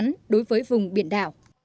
về thời gian ngắn đối với vùng biển đảo